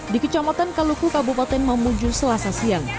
di kecamatan kaluku kabupaten mamuju selasa siang